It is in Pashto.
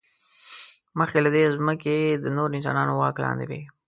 مخکې له دې، ځمکې د نورو انسانانو واک لاندې وې.